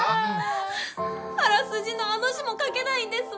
あらすじの「あ」の字も書けないんです。